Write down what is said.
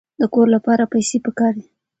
د کور لپاره پیسې پکار دي.